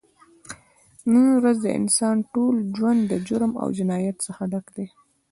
نن ورځ د انسان ټول ژون د جرم او جنایت څخه ډک دی